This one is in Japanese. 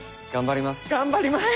頑張ります！